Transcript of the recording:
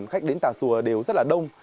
khách đến tà sùa đều rất là đông